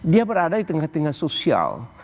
dia berada di tengah tengah sosial